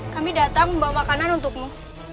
kami datang membawa makanan untukmu